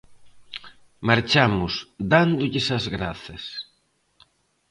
Marchamos dándolles as grazas.